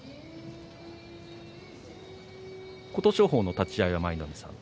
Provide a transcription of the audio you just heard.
琴勝峰の立ち合いは舞の海さん